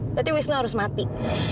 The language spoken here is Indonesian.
berarti wisnu harus mati